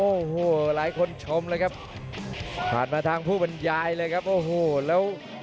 โอ้โหหลายคนชมเลยครับผ่านมาทางผู้บรรยายเลยครับโอ้โหแล้ว